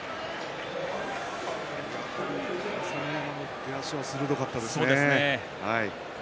朝乃山の出足は鋭かったですね。